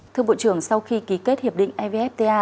thưa bộ trưởng sau khi ký kết hiệp định evfta